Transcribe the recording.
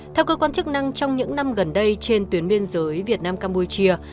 theo cơ quan chức năng trong những năm gần đây trên tuyến biên giới việt nam campuchia